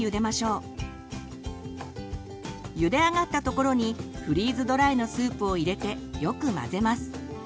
ゆで上がったところにフリーズドライのスープを入れてよく混ぜます。